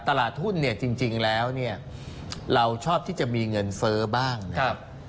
ตลาดหุ้นจริงแล้วเราชอบที่จะมีเงินเฟ้อบ้างนะครับ